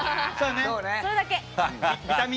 それだけ。